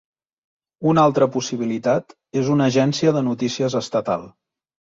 Una altra possibilitat és una agència de notícies estatal.